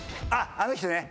あの人ね。